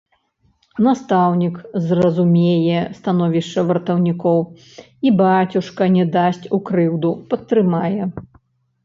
Настаўнік зразумее становішча вартаўнікоў, і бацюшка не дасць у крыўду, падтрымае!